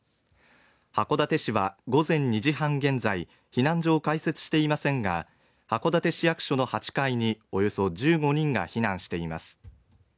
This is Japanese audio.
函館市は午前２時半現在、避難所を開設していませんが、函館市役所の８階におよそ１５人が避難しています。